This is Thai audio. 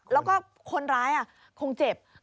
และคนร้ายคงเจ็บ